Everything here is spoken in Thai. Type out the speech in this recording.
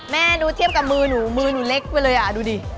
แม่หนูเทียบกับมือหนูมือหนูเล็กไปเลยอ่ะดูดิ